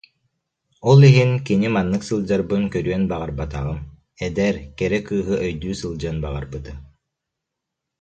Ол иһин кини маннык сылдьарбын көрүөн баҕарбатаҕым, эдэр, кэрэ кыыһы өйдүү сылдьыан баҕарбытым